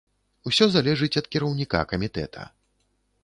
Усё залежыць ад кіраўніка камітэта.